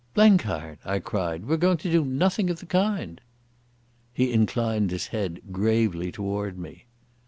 "Blenkiron," I cried, "we're going to do nothing of the kind." He inclined his head gravely towards me.